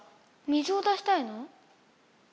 水を出したいの？